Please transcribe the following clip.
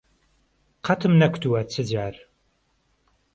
قهتم نهکوتوه چجار